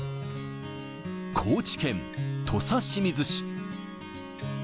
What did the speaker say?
高知県土佐清水市。